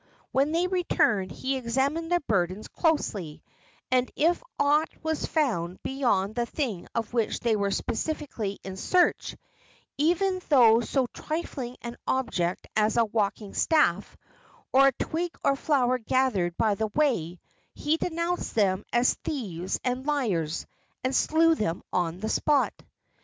When they returned he examined their burdens closely, and if aught was found beyond the thing of which they were specifically in search even though so trifling an object as a walking staff, or a twig or flower gathered by the way he denounced them as thieves and liars, and slew them on the spot.